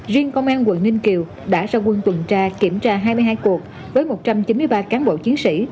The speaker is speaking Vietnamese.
riêng công an quận ninh kiều đã ra quân tuần tra kiểm tra hai mươi hai cuộc với một trăm chín mươi ba cán bộ chiến sĩ